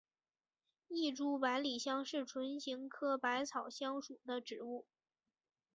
异株百里香是唇形科百里香属的植物。